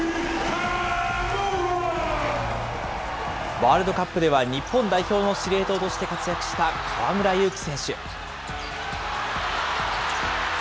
ワールドカップでは日本代表の司令塔として活躍した河村勇輝選手。